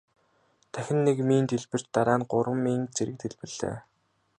Дахин нэг мин дэлбэрч дараа нь гурван мин зэрэг дэлбэрлээ.